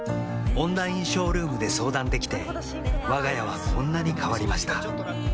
オンラインショールームで相談できてわが家はこんなに変わりました